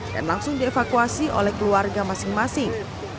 dan langsung dievakuasi oleh keluarga masing masing